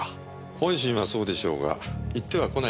本心はそうでしょうが言ってはこないでしょう。